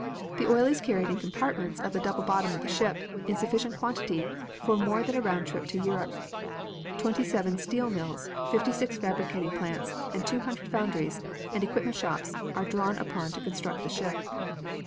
The oil is carried in compartments of the double bottom of the ship in sufficient quantity for more than a round trip to Europe. Twenty seven steel mills, fifty six fabricating plants, and two hundred foundries and equipment shops were drawn upon to construct the ship.